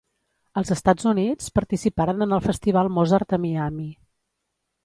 Als Estats Units, participaren en el festival Mozart a Miami.